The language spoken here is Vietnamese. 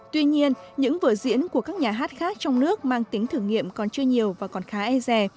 tuy nhiên những vở diễn của các nhà hát khác trong nước mang tính thử nghiệm còn chưa nhiều và còn khá e rè